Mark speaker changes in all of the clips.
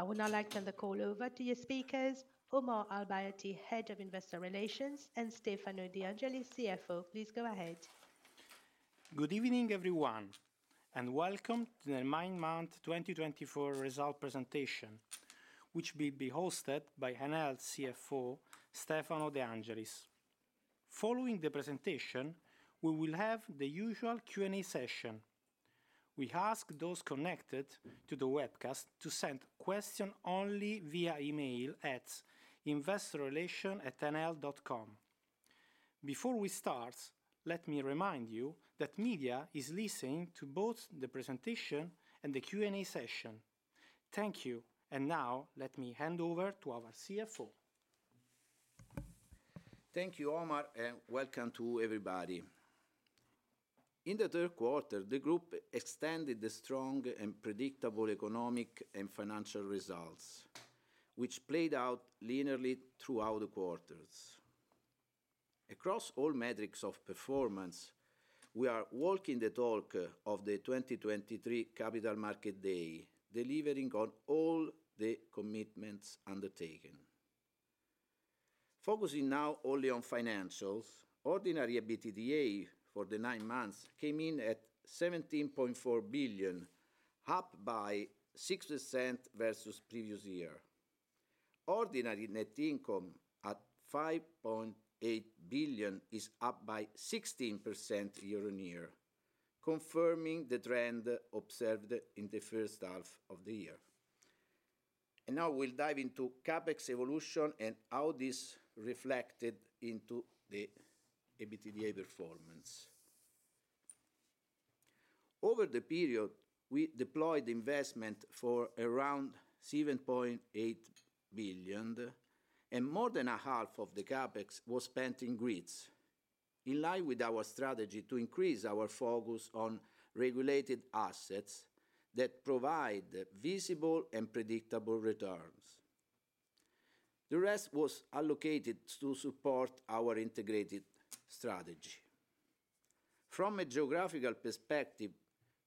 Speaker 1: I would now like to turn the call over to your speakers, Omar Al Bayaty, Head of Investor Relations, and Stefano De Angelis, CFO. Please go ahead.
Speaker 2: Good evening, everyone, and welcome to the Enel Nine Months 2024 Results Presentation, which will be hosted by Enel CFO, Stefano De Angelis. Following the presentation, we will have the usual Q&A session. We ask those connected to the webcast to send questions only via email at investor.relations@enel.com. Before we start, let me remind you that media is listening to both the presentation and the Q&A session. Thank you. And now, let me hand over to our CFO.
Speaker 3: Thank you, Omar, and welcome to everybody. In the third quarter, the Group extended the strong and predictable economic and financial results, which played out linearly throughout the quarters. Across all metrics of performance, we are walking the talk of the 2023 Capital Markets Day, delivering on all the commitments undertaken. Focusing now only on financials, ordinary EBITDA for the nine months came in at 17.4 billion, up by 6% versus the previous year. Ordinary net income at 5.8 billion is up by 16% year on year, confirming the trend observed in the first half of the year. Now we'll dive into CapEx evolution and how this reflected into the EBITDA performance. Over the period, we deployed investment for around EUR $7.8 billion, and more than half of the CapEx was spent in Grids, in line with our strategy to increase our focus on regulated assets that provide visible and predictable returns. The rest was allocated to support our integrated strategy. From a geographical perspective,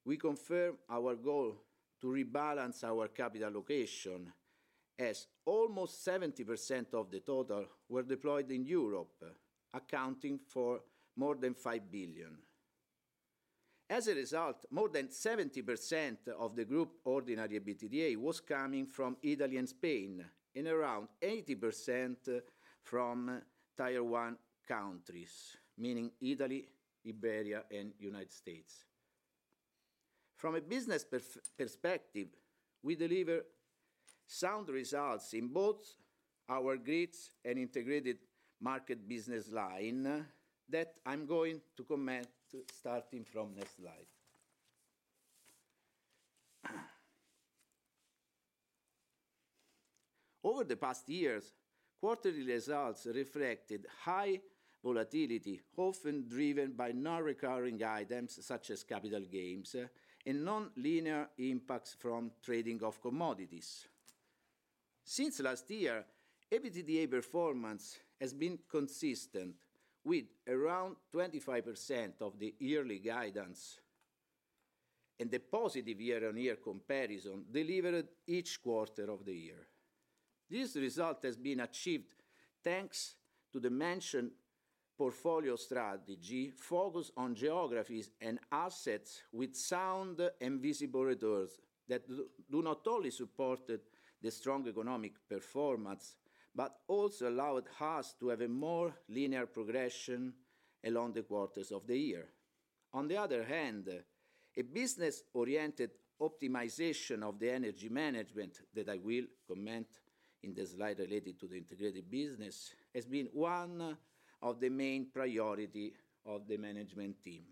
Speaker 3: we confirm our goal to rebalance our capital allocation, as almost 70% of the total were deployed in Europe, accounting for more than EUR $5 billion. As a result, more than 70% of the Group ordinary EBITDA was coming from Italy and Spain, and around 80% from Tier 1 countries, meaning Italy, Iberia, and the United States. From a business perspective, we deliver sound results in both our Grids and integrated market business line that I'm going to comment starting from the next slide. Over the past years, quarterly results reflected high volatility, often driven by non-recurring items such as capital gains and non-linear impacts from trading of commodities. Since last year, EBITDA performance has been consistent with around 25% of the yearly guidance, and the positive year-on-year comparison delivered each quarter of the year. This result has been achieved thanks to the mentioned portfolio strategy focused on geographies and assets with sound and visible returns that do not only support the strong economic performance but also allowed us to have a more linear progression along the quarters of the year. On the other hand, a business-oriented optimization of the energy management that I will comment on in the slide related to the integrated business has been one of the main priorities of the management team.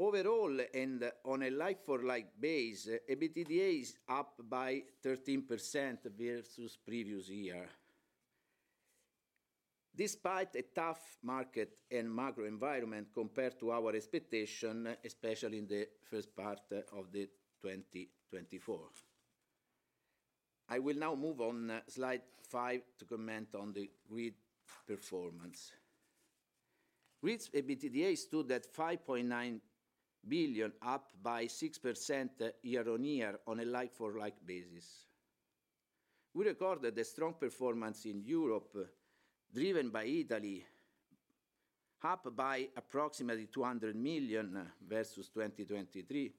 Speaker 3: Overall, and on a like-for-like basis, EBITDA is up by 13% versus the previous year, despite a tough market and macro environment compared to our expectation, especially in the first part of 2024. I will now move on to slide five to comment on the Grids performance. Grids' EBITDA stood at $5.9 billion, up by 6% year on year on a like-for-like basis. We recorded a strong performance in Europe, driven by Italy, up by approximately $200 million versus 2023,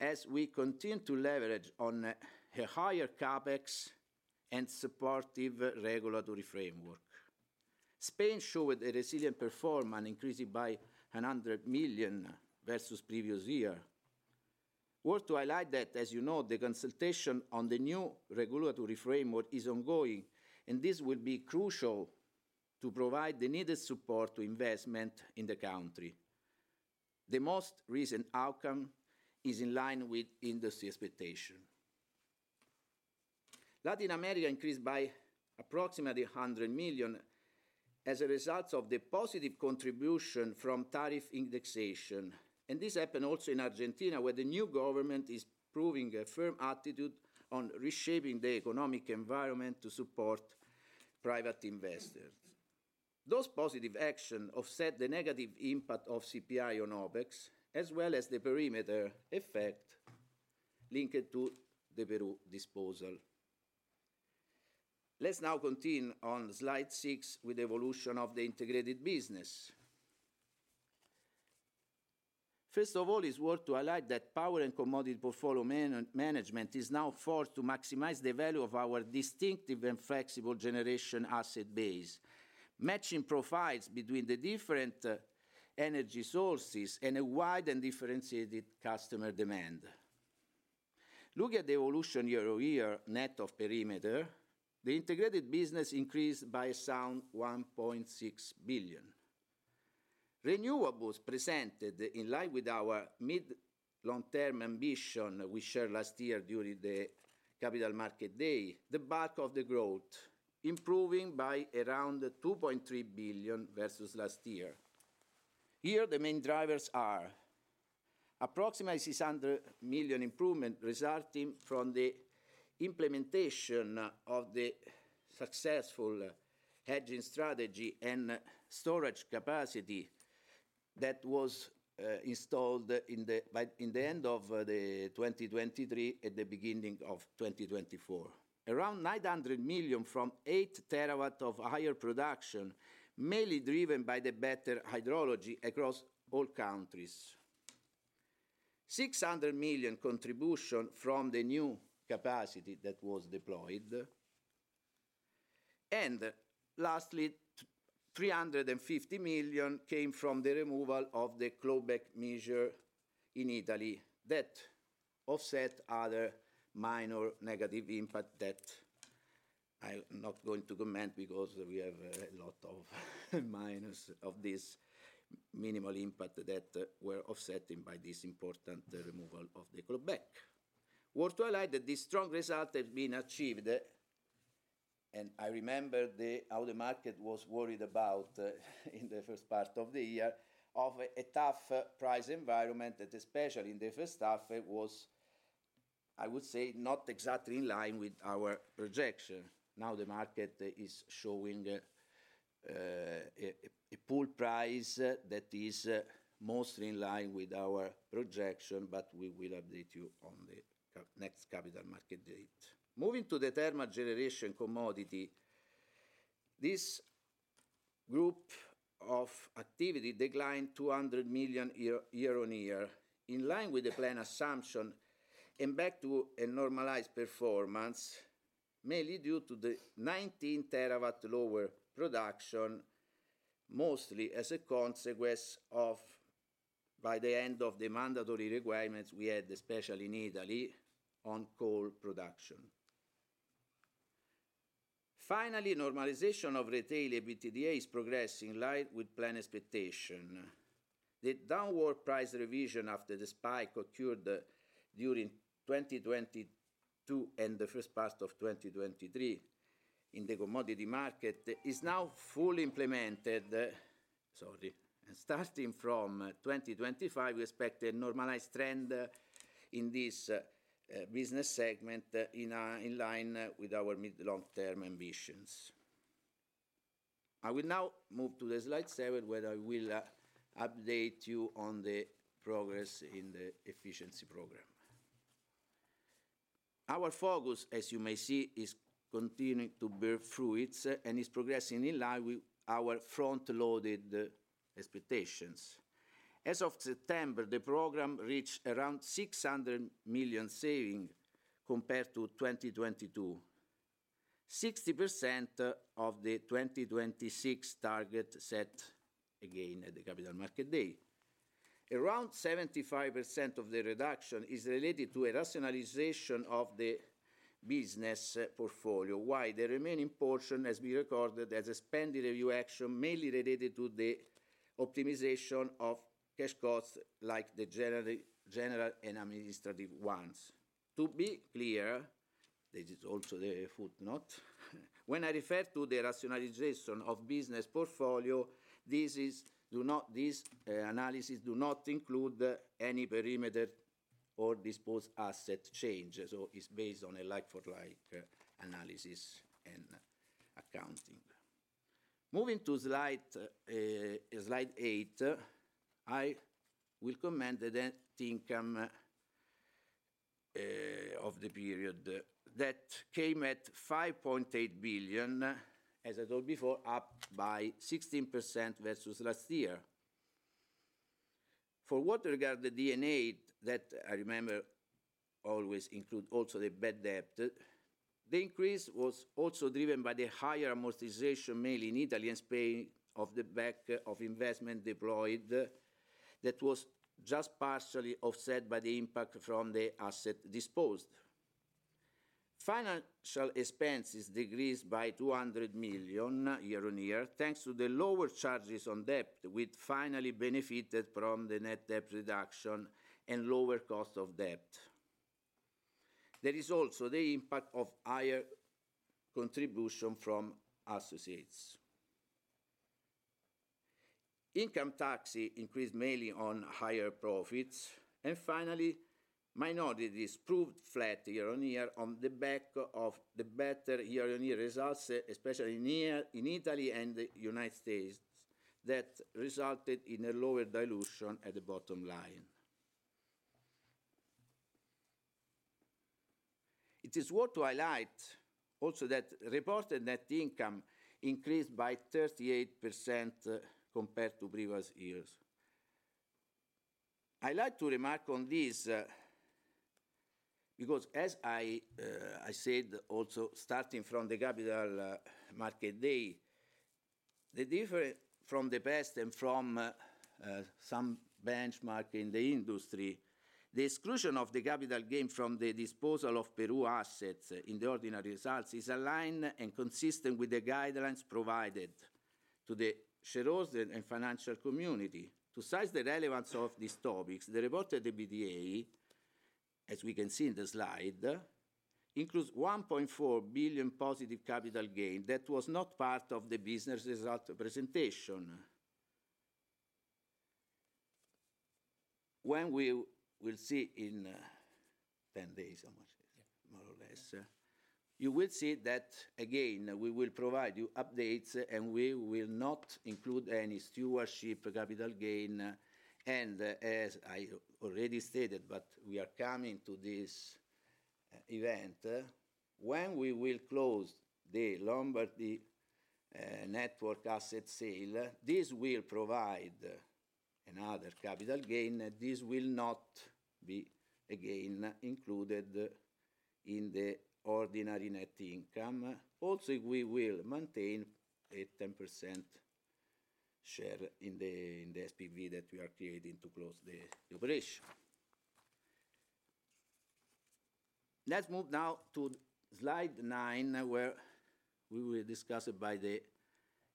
Speaker 3: as we continue to leverage on a higher CapEx and supportive regulatory framework. Spain showed a resilient performance increasing by $100 million versus the previous year. Worth to highlight that, as you know, the consultation on the new regulatory framework is ongoing, and this will be crucial to provide the needed support to investment in the country. The most recent outcome is in line with industry expectations. Latin America increased by approximately $100 million as a result of the positive contribution from tariff indexation, and this happened also in Argentina, where the new government is proving a firm attitude on reshaping the economic environment to support private investors. Those positive actions offset the negative impact of CPI on OpEx, as well as the perimeter effect linked to the Peru disposal. Let's now continue on slide six with the evolution of the integrated business. First of all, it's worth to highlight that power and commodity portfolio management is now forced to maximize the value of our distinctive and flexible generation asset base, matching profiles between the different energy sources and a wide and differentiated customer demand. Look at the evolution year-on-year net of perimeter. The integrated business increased by a sound $1.6 billion. Renewables presented, in line with our mid-long-term ambition we shared last year during the Capital Markets Day, the bulk of the growth improving by around $2.3 billion versus last year. Here, the main drivers are approximately $600 million improvement resulting from the implementation of the successful hedging strategy and storage capacity that was installed in the end of 2023 at the beginning of 2024. Around $900 million from eight terawatts of higher production, mainly driven by the better hydrology across all countries. $600 million contribution from the new capacity that was deployed, and lastly, $350 million came from the removal of the clawback measure in Italy that offset other minor negative impact that I'm not going to comment because we have a lot of minus of this minimal impact that were offsetting by this important removal of the clawback. It's worth highlighting that this strong result has been achieved, and I remember how the market was worried about in the first part of the year of a tough price environment that especially in the first half was, I would say, not exactly in line with our projection. Now the market is showing a pool price that is mostly in line with our projection, but we will update you on the next Capital Markets Day. Moving to the thermal generation commodity, this group of activity declined $200 million year-on-year in line with the plan assumption and back to a normalized performance, mainly due to the 19 terawatt lower production, mostly as a consequence of, by the end of the mandatory requirements, we had, especially in Italy, on coal production. Finally, normalization of retail EBITDA is progressing in line with plan expectation. The downward price revision after the spike occurred during 2022 and the first part of 2023 in the commodity market is now fully implemented. Sorry, and starting from 2025, we expect a normalized trend in this business segment in line with our mid-long-term ambitions. I will now move to slide seven, where I will update you on the progress in the efficiency program. Our focus, as you may see, is continuing to bear fruits and is progressing in line with our front-loaded expectations. As of September, the program reached around $600 million saving compared to 2022, 60% of the 2026 target set again at the Capital Markets Day. Around 75% of the reduction is related to a rationalization of the business portfolio, while the remaining portion has been recorded as a spending review action mainly related to the optimization of cash costs like the general and administrative ones. To be clear, this is also the footnote. When I refer to the rationalization of business portfolio, this analysis does not include any perimeter or disposed asset change. So it's based on a like-for-like analysis and accounting. Moving to slide eight, I will comment on the net income of the period that came at $5.8 billion, as I told before, up by 16% versus last year. For what regards the D&A that I remember always includes also the bad debt, the increase was also driven by the higher amortization, mainly in Italy and Spain, on the back of investment deployed that was just partially offset by the impact from the asset disposed. Financial expenses decreased by $200 million year-on-year thanks to the lower charges on debt, which finally benefited from the net debt reduction and lower cost of debt. There is also the impact of higher contribution from associates. Income taxes increased mainly on higher profits, and finally, minorities proved flat year-on-year on the back of the better year-on-year results, especially in Italy and the United States, that resulted in a lower dilution at the bottom line. It is worth to highlight also that reported net income increased by 38% compared to previous years. I'd like to remark on this because, as I said also, starting from the Capital Markets Day, the difference from the past and from some benchmark in the industry, the exclusion of the capital gain from the disposal of Peru assets in the ordinary results is aligned and consistent with the guidelines provided to the shareholders and financial community. To assess the relevance of these topics, the reported EBITDA, as we can see in the slide, includes $1.4 billion positive capital gain that was not part of the business result presentation. When we will see in 10 days, more or less, you will see that, again, we will provide you updates and we will not include any stewardship capital gain. As I already stated, but we are coming to this event, when we will close the Lombardy network asset sale, this will provide another capital gain. This will not be again included in the ordinary net income. Also, we will maintain a 10% share in the SPV that we are creating to close the operation. Let's move now to slide nine, where we will discuss it by the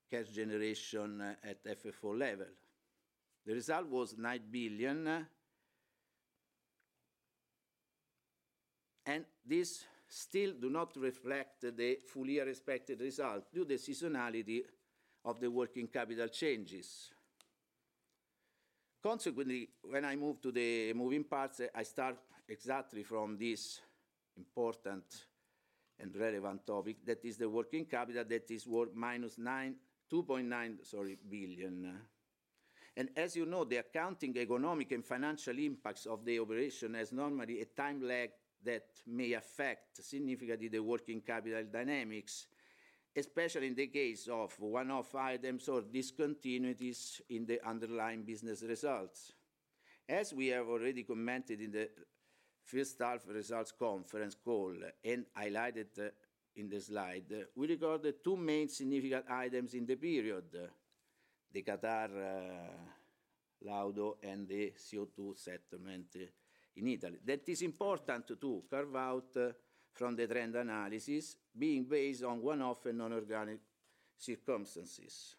Speaker 3: cash generation at FFO level. The result was $9 billion. And this still does not reflect the full year expected result due to the seasonality of the working capital changes. Consequently, when I move to the moving parts, I start exactly from this important and relevant topic, that is the working capital that is worth $2.9 billion. And as you know, the accounting, economic, and financial impacts of the operation has normally a time lag that may affect significantly the working capital dynamics, especially in the case of one-off items or discontinuities in the underlying business results. As we have already commented in the first half results conference call and highlighted in the slide, we recorded two main significant items in the period, the Qatar Laudo and the CO2 settlement in Italy. That is important to carve out from the trend analysis being based on one-off and non-organic circumstances.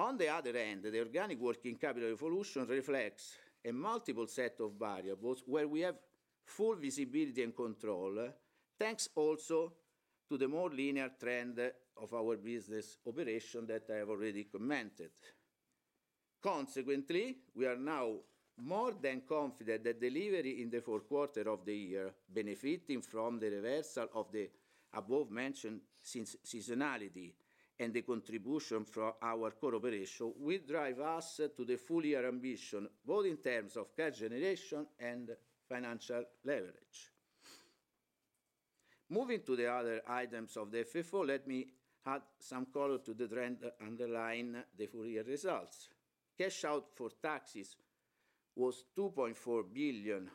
Speaker 3: On the other hand, the organic working capital evolution reflects a multiple set of variables where we have full visibility and control thanks also to the more linear trend of our business operation that I have already commented. Consequently, we are now more than confident that delivery in the fourth quarter of the year benefiting from the reversal of the above-mentioned seasonality and the contribution from our core operation will drive us to the full year ambition, both in terms of cash generation and financial leverage. Moving to the other items of the FFO, let me add some color to the trend underlying the full year results. Cash out for taxes was $2.4 billion,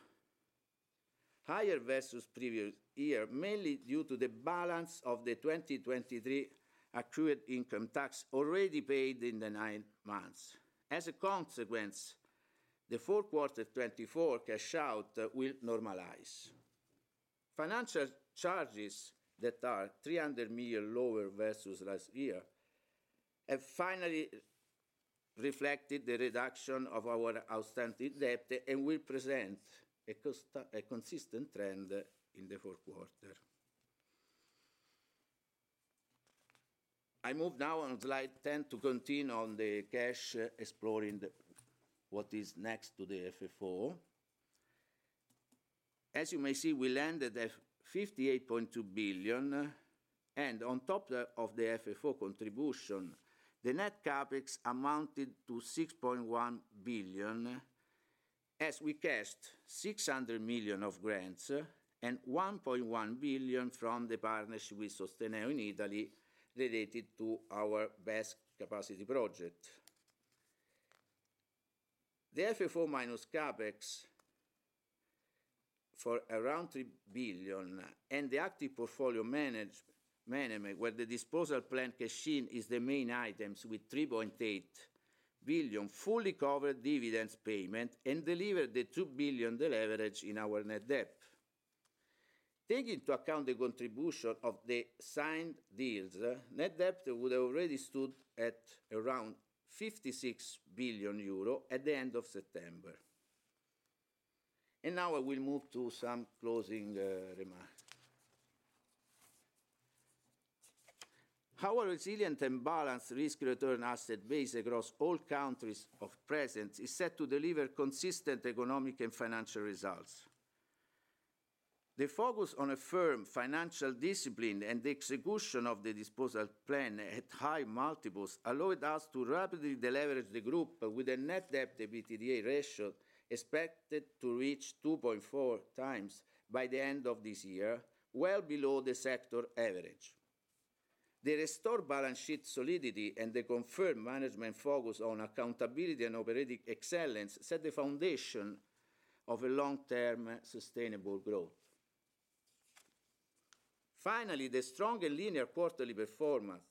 Speaker 3: higher versus previous year, mainly due to the balance of the 2023 accrued income tax already paid in the nine months. As a consequence, the fourth quarter 2024 cash out will normalize. Financial charges that are 300 million lower versus last year have finally reflected the reduction of our outstanding debt and will present a consistent trend in the fourth quarter. I move now on slide 10 to continue on the cash, exploring what is next to the FFO. As you may see, we landed at 58.2 billion. On top of the FFO contribution, the net CapEx amounted to 6.1 billion, as we cashed 600 million of grants and 1.1 billion from the partnership with Sosteneo in Italy related to our BESS project. The FFO minus CapEx for around 3 billion and the active portfolio management, where the disposal plan cash in is the main items with 3.8 billion, fully covered dividends payment and delivered the 2 billion leverage in our net debt. Taking into account the contribution of the signed deals, net debt would have already stood at around €56 billion at the end of September. And now I will move to some closing remarks. Our resilient and balanced risk-return asset base across all countries of presence is set to deliver consistent economic and financial results. The focus on a firm financial discipline and the execution of the disposal plan at high multiples allowed us to rapidly deleverage the group with a net debt to EBITDA ratio expected to reach 2.4 times by the end of this year, well below the sector average. The restored balance sheet solidity and the confirmed management focus on accountability and operating excellence set the foundation of a long-term sustainable growth. Finally, the strong and linear quarterly performance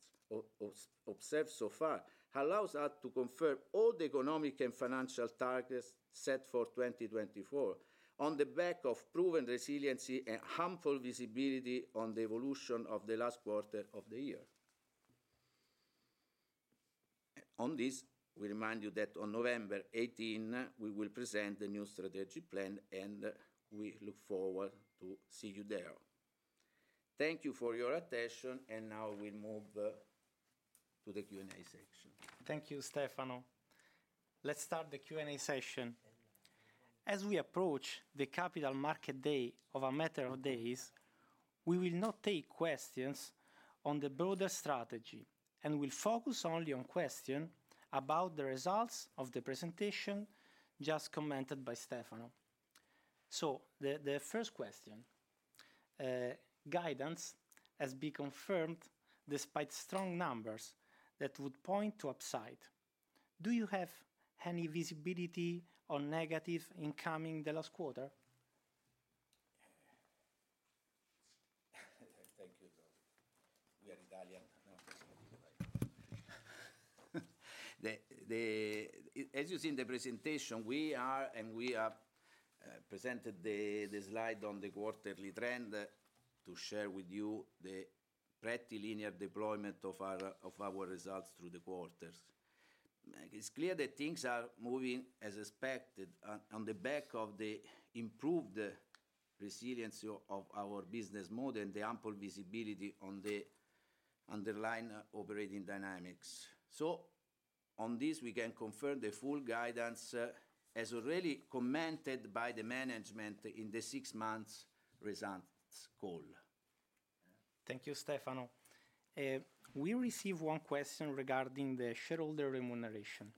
Speaker 3: observed so far allows us to confirm all the economic and financial targets set for 2024 on the back of proven resiliency and ample visibility on the evolution of the last quarter of the year. On this, we remind you that on November 18, we will present the new strategic plan, and we look forward to seeing you there. Thank you for your attention, and now we'll move to the Q&A section.
Speaker 2: Thank you, Stefano. Let's start the Q&A session. As we approach the Capital Markets Day in a matter of days, we will not take questions on the broader strategy and will focus only on questions about the results of the presentation just commented by Stefano, so the first question, guidance has been confirmed despite strong numbers that would point to upside. Do you have any visibility on negative income in the last quarter?
Speaker 3: Thank you. We are Italian. As you see in the presentation, we are and we have presented the slide on the quarterly trend to share with you the pretty linear deployment of our results through the quarters. It's clear that things are moving as expected on the back of the improved resiliency of our business model and the ample visibility on the underlying operating dynamics. So on this, we can confirm the full guidance as already commented by the management in the six-month results call. Thank you, Stefano. We received one question regarding the shareholder remuneration.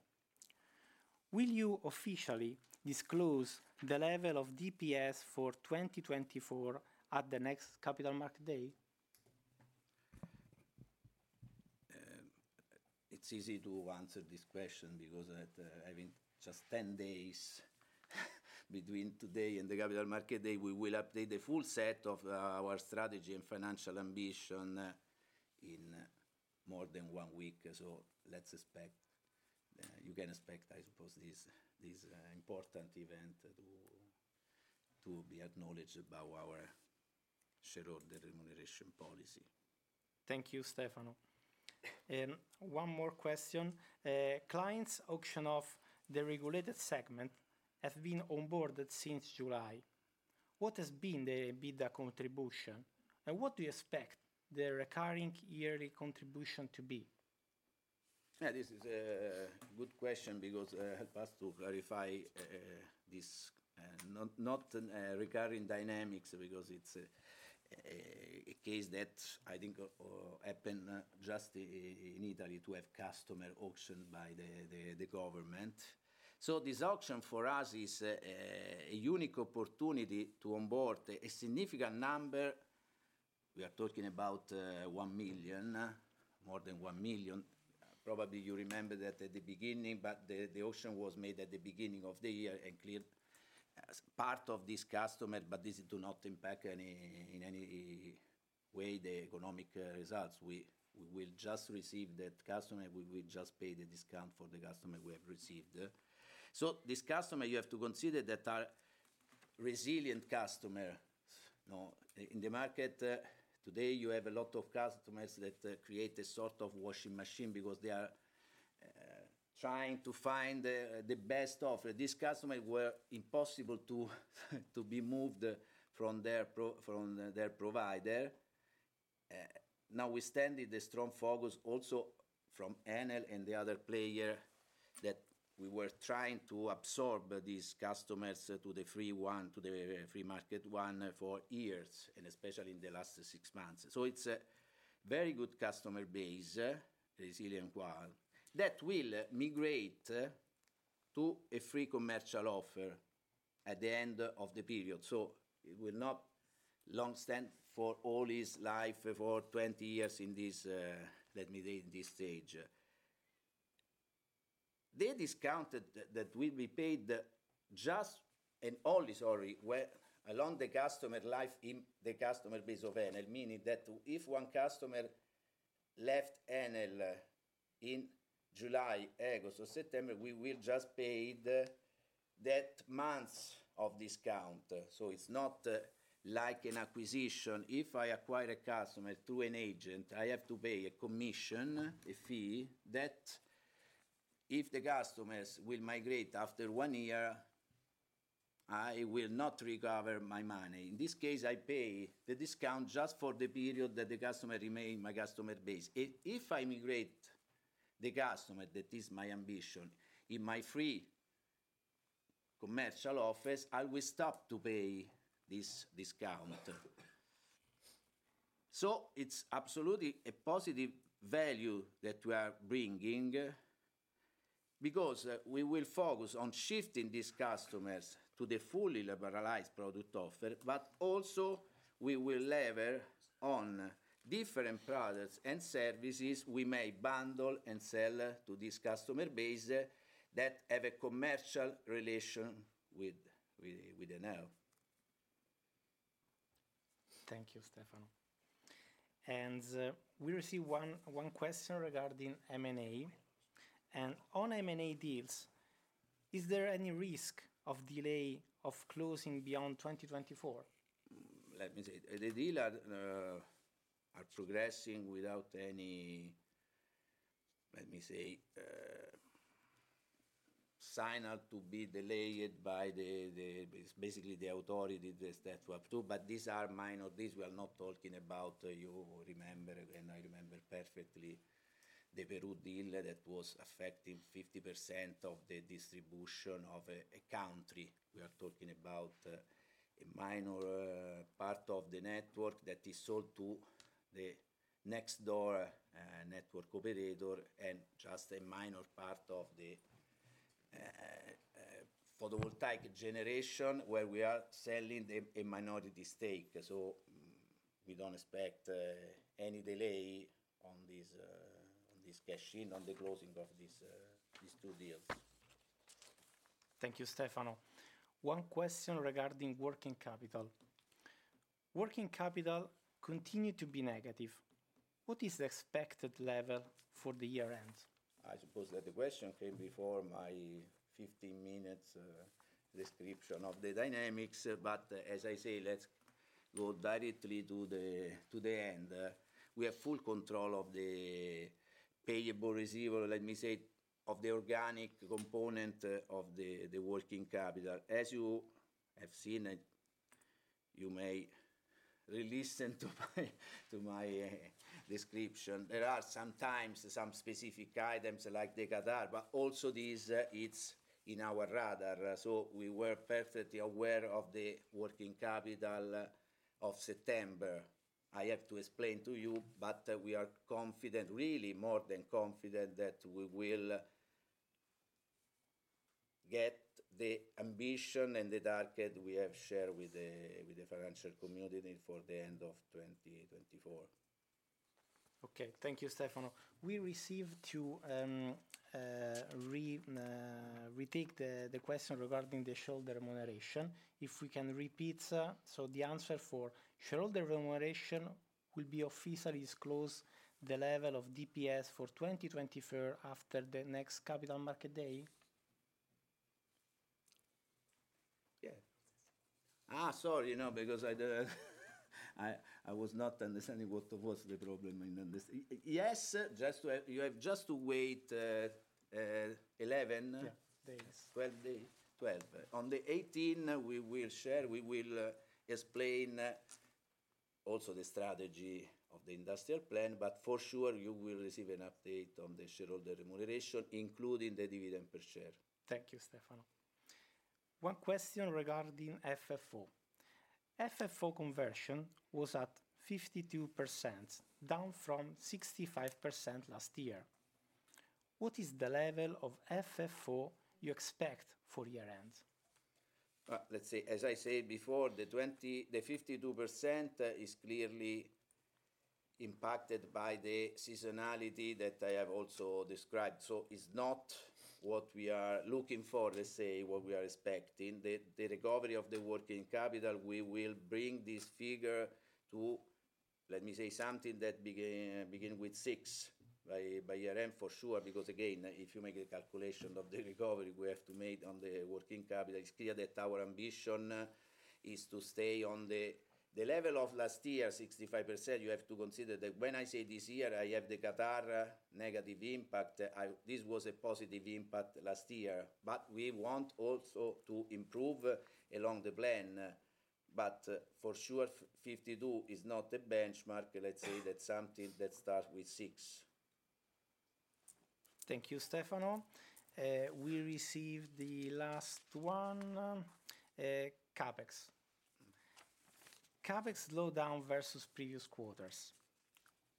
Speaker 3: Will you officially disclose the level of DPS for 2024 at the next Capital Markets Day? It's easy to answer this question because I mean, just 10 days between today and the Capital Markets Day, we will update the full set of our strategy and financial ambition in more than one week. So you can expect, I suppose, this important event to be acknowledged by our shareholder remuneration policy.
Speaker 2: Thank you, Stefano. And one more question. Clients' auction of the regulated segment have been onboarded since July. What has been the bidder contribution? And what do you expect the recurring yearly contribution to be?
Speaker 3: This is a good question because it helps us to clarify this non-recurring dynamics because it's a case that I think happened just in Italy to have customer auctioned by the government. So this auction for us is a unique opportunity to onboard a significant number. We are talking about one million, more than one million. Probably you remember that at the beginning, but the auction was made at the beginning of the year and cleared part of this customer, but this does not impact in any way the economic results. We will just receive that customer. We will just pay the discount for the customer we have received. So this customer, you have to consider that are resilient customers. In the market today, you have a lot of customers that create a sort of washing machine because they are trying to find the best offer. These customers were impossible to be moved from their provider. Now we stand in the strong focus also from Enel and the other player that we were trying to absorb these customers to the free market one for years and especially in the last six months. So it's a very good customer base, resilient one, that will migrate to a free commercial offer at the end of the period. So it will not long stand for all his life for 20 years in this, let me say, in this stage. They discounted that we paid just and only, sorry, along the customer life in the customer base of Enel, meaning that if one customer left Enel in July, August, or September, we will just pay that month of discount. So it's not like an acquisition. If I acquire a customer through an agent, I have to pay a commission, a fee that if the customers will migrate after one year, I will not recover my money. In this case, I pay the discount just for the period that the customer remained my customer base. If I migrate the customer, that is my ambition, in my free commercial offer, I will stop to pay this discount. So it's absolutely a positive value that we are bringing because we will focus on shifting these customers to the fully liberalized product offer, but also we will lever on different products and services we may bundle and sell to this customer base that have a commercial relation with Enel.
Speaker 2: Thank you, Stefano. And we receive one question regarding M&A. And on M&A deals, is there any risk of delay of closing beyond 2024?
Speaker 3: Let me say, the deals are progressing without any, let me say, signal to be delayed by basically the authorities that have to. But these are minor deals. We are not talking about, you remember, and I remember perfectly the Peru deal that was affecting 50% of the distribution of a country. We are talking about a minor part of the network that is sold to the next door network operator and just a minor part of the photovoltaic generation where we are selling a minority stake. So we don't expect any delay on this cash in, on the closing of these two deals.
Speaker 2: Thank you, Stefano. One question regarding working capital. Working capital continues to be negative. What is the expected level for the year-end?
Speaker 3: I suppose that the question came before my 15-minute description of the dynamics, but as I say, let's go directly to the end. We have full control of the payable receivable, let me say, of the organic component of the working capital. As you have seen, you may listen to my description. There are sometimes some specific items like Qatar Laudo, but also this, it's in our radar. So we were perfectly aware of the working capital of September. I have to explain to you, but we are confident, really more than confident, that we will get the ambition and the target we have shared with the financial community for the end of 2024.
Speaker 2: Okay. Thank you, Stefano. We are ready to retake the question regarding the shareholder remuneration. If we can repeat, so the answer for shareholder remuneration will be officially disclosed the level of DPS for 2024 after the next Capital Market Day?
Speaker 3: Yeah. Sorry, no, because I was not understanding what was the problem in understanding. Yes, just to wait 11 days. 12 days. 12. On the 18, we will share, we will explain also the strategy of the industrial plan, but for sure you will receive an update on the shareholder remuneration, including the dividend per share.
Speaker 2: Thank you, Stefano. One question regarding FFO. FFO conversion was at 52%, down from 65% last year. What is the level of FFO you expect for year-end? Let's see. As I said before, the 52% is clearly impacted by the seasonality that I have also described. So it's not what we are looking for, let's say, what we are expecting. The recovery of the working capital, we will bring this figure to, let me say, something that begins with six by year-end for sure, because again, if you make a calculation of the recovery we have to make on the working capital, it's clear that our ambition is to stay on the level of last year, 65%. You have to consider that when I say this year, I have the Qatar negative impact. This was a positive impact last year, but we want also to improve along the plan. But for sure, 52 is not a benchmark. Let's say, that's something that starts with six. Thank you, Stefano. We received the last one, CapEx. CapEx slowdown versus previous quarters.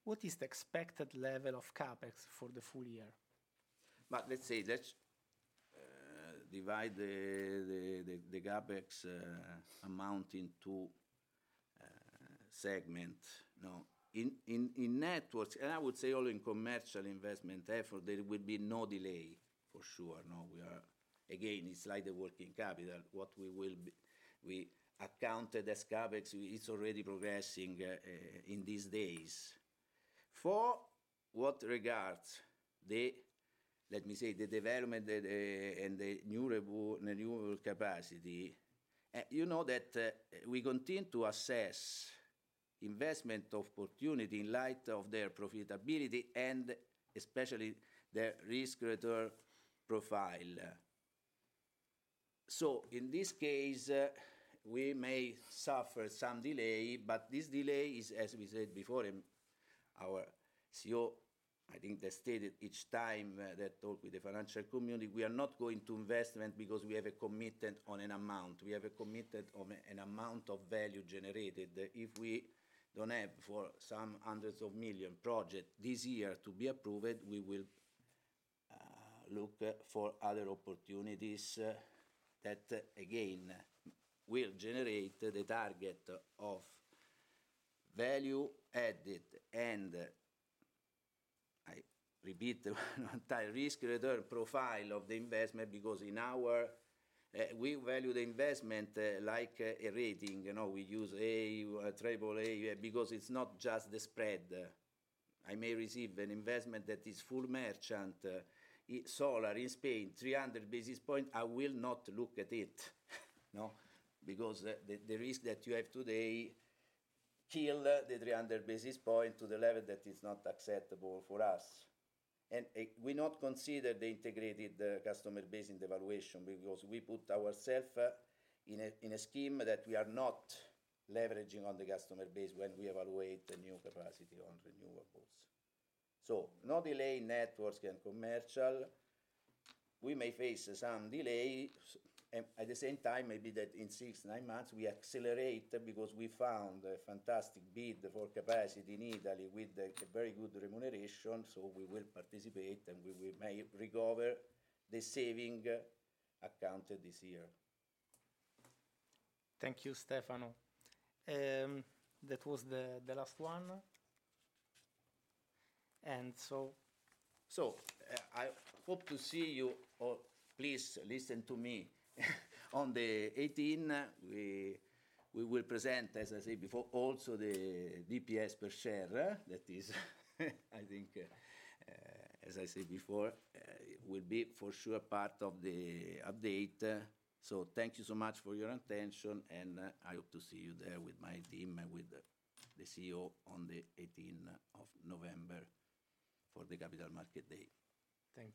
Speaker 2: What is the expected level of CapEx for the full year?
Speaker 3: But let's say that divide the CapEx amount into segments. In networks, and I would say only in commercial investment effort, there will be no delay for sure. Again, it's like the working capital. What we will be accounted as CapEx, it's already progressing in these days. For what regards, let me say, the development and the new capacity, you know that we continue to assess investment opportunity in light of their profitability and especially their risk profile. So in this case, we may suffer some delay, but this delay is, as we said before, our CEO. I think they stated each time we talk with the financial community, we are not going to invest because we have a commitment on an amount. We have a commitment on an amount of value generated. If we don't have for some hundreds of millions projects this year to be approved, we will look for other opportunities that, again, will generate the target of value added and I repeat the entire risk profile of the investment because in our view we value the investment like a rating. We use a triple-A because it's not just the spread. I may receive an investment that is full merchant, solar in Spain, 300 basis points. I will not look at it because the risk that you have today killed the 300 basis points to the level that is not acceptable for us. And we not consider the integrated customer base in the evaluation because we put ourselves in a scheme that we are not leveraging on the customer base when we evaluate the new capacity on renewables. So no delay in networks and commercial. We may face some delay. At the same time, maybe that in six, nine months, we accelerate because we found a fantastic bid for capacity in Italy with a very good remuneration. So we will participate and we may recover the saving accounted this year.
Speaker 2: Thank you, Stefano. That was the last one. And so.
Speaker 3: So I hope to see you. Please listen to me on the 18. We will present, as I said before, also the DPS per share that is, I think, as I said before, will be for sure part of the update, so thank you so much for your attention and I hope to see you there with my team and with the CEO on the 18th of November for the Capital Markets Day.
Speaker 2: Thank you.